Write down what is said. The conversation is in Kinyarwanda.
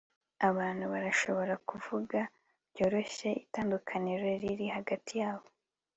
abantu barashobora kuvuga byoroshye itandukaniro riri hagati yabo